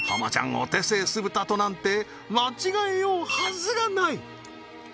お手製酢豚となんて間違えようはずがない